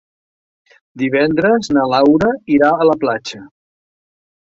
Divendres na Laura irà a la platja.